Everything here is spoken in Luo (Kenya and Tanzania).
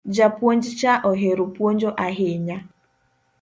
Japuonj cha ohero puonjo ahinya